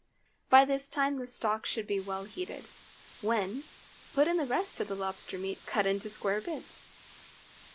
By this time the stock should be well heated, when, put in the rest of the lobster meat cut into square bits.